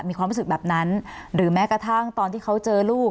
มีความรู้สึกแบบนั้นหรือแม้กระทั่งตอนที่เขาเจอลูก